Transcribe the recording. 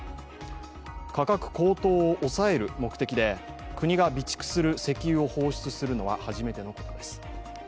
価格高騰を抑える目的で国が備蓄する石油を放出するのは初めてのことです。